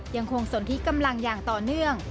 ยังโครงสนทิกกำลังอย่างต่อเนื่อง